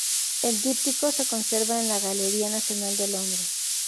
El díptico se conserva en la Galería Nacional de Londres.